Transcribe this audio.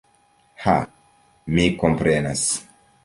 Ha, mi komprenas!